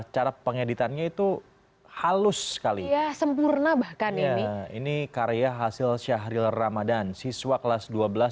cara pengeditannya itu halus kali ya sempurna bahkan ini karya hasil syahril ramadan siswa kelas